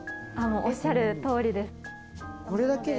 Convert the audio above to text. おっしゃる通りです。